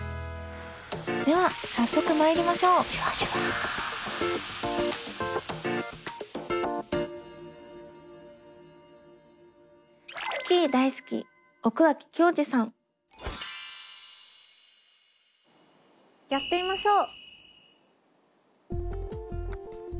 では早速まいりましょうやってみましょう。